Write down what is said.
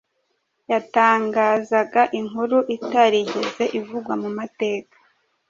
yatangazaga inkuru itarigeze ivugwa mu mateka .